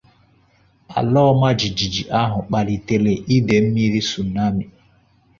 Ala ọma jijiji ahụ kpalitere ide mmiri sụnami